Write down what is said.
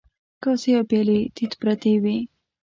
کاسې او پيالې تيت پرتې وې.